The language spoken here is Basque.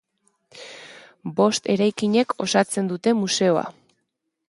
Bost eraikinek osatzen dute museoa.